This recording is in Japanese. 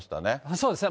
そうですね。